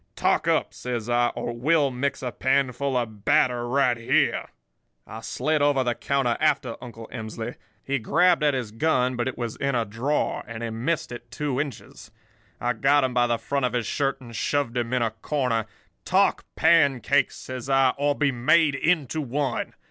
Talk up,' says I, 'or we'll mix a panful of batter right here.' "I slid over the counter after Uncle Emsley. He grabbed at his gun, but it was in a drawer, and he missed it two inches. I got him by the front of his shirt and shoved him in a corner. "'Talk pancakes,' says I, 'or be made into one.